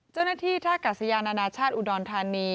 เจ้าหน้าที่ท่ากาศยานานาชาติอุดรธานี